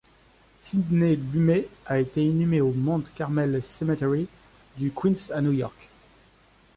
Sidney Lumet a été inhumé au Mount Carmel Cemetery du Queens à New York.